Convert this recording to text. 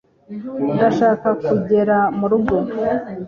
ndashaka kugera murugo